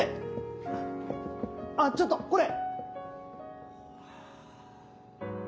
あっちょっとこれ！